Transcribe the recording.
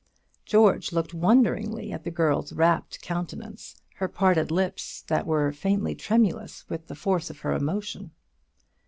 George looked wonderingly at the girl's rapt countenance, her parted lips, that were faintly tremulous with the force of her emotion.